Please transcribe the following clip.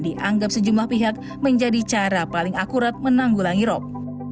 dianggap sejumlah pihak menjadi cara paling akurat menanggulangi rop